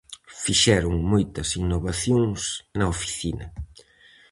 Fixeron moitas innovacións na oficina.